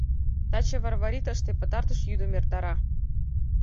Таче Варвари тыште пытартыш йӱдым эртара.